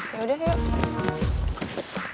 ya udah yuk